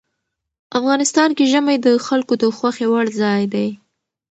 افغانستان کې ژمی د خلکو د خوښې وړ ځای دی.